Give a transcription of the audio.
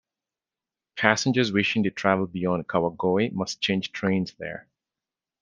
Passengers wishing to travel beyond Kawagoe must change trains there.